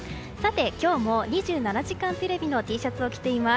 今日も「２７時間テレビ」のＴシャツを着ています。